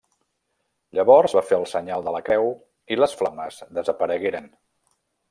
Llavors va fer el senyal de la creu i les flames desaparegueren.